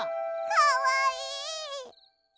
かわいい！